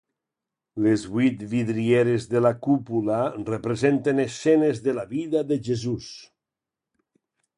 Les vuit vidrieres de la cúpula representen escenes de la vida de Jesús.